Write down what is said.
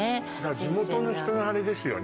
新鮮な地元の人のあれですよね